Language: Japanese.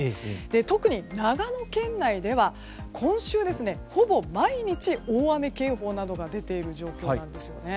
特に、長野県内では今週、ほぼ毎日大雨警報などが出ている状況なんです。